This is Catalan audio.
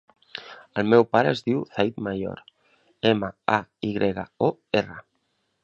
El meu pare es diu Zaid Mayor: ema, a, i grega, o, erra.